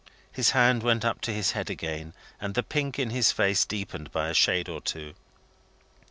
His hand went up to his head again, and the pink in his face deepened by a shade or two.